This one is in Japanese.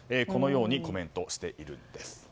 このようにコメントしているんです。